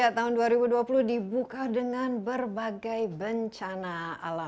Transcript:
tahun dua ribu dua puluh dibuka dengan berbagai bencana alam